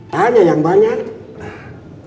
tanya yang banyak